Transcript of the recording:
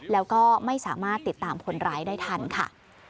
แล้วก็ไม่สามารถติดตามคนร้ายได้ทันค่ะ